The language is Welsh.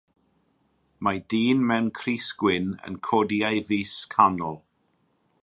Mae dyn mewn crys gwyn yn codi ei fys canol